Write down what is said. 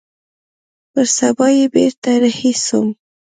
پر سبا يې بېرته رهي سوم.